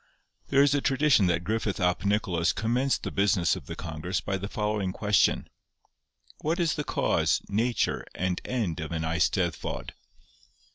There is a tradition that Griffith ap Nicholas commenced the business of the congress by the following question: 'What is the cause, nature, and end of an Eisteddfod?